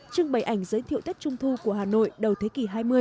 trưng bày ảnh giới thiệu tết trung thu của hà nội đầu thế kỷ hai mươi